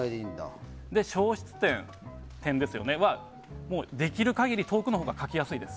消失点はできる限り遠くのほうが描きやすいです。